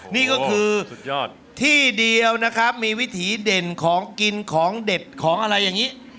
นี่ก็คือสุดยอดที่เดียวนะครับมีวิถีเด่นของกินของเด็ดของอะไรอย่างนี้